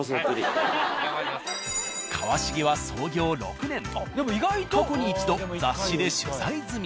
「川茂」は創業６年と過去に一度雑誌で取材済み。